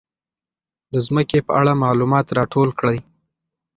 د ځمکې په اړه معلومات راټول کړئ.